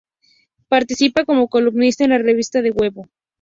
Participa como columnista en la revista "Un Huevo".